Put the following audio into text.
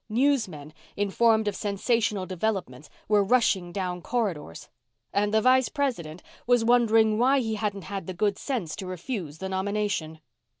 Newsmen, informed of sensational developments, were rushing down corridors. And the Vice President was wondering why he hadn't had the good sense to refuse the nomination.